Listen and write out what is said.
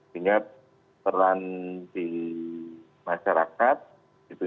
sehingga peran di masyarakat